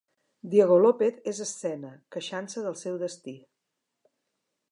Diego López és escena, queixant-se del seu destí.